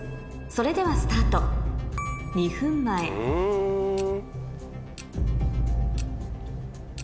それではスタート２分前ん？